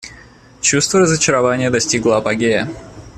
Чувство разочарования достигло апогея.